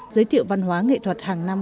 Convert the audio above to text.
giới thiệu văn hóa nghệ thuật hàng năm